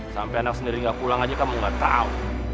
sampai anak sendiri enggak pulang aja kamu enggak tahu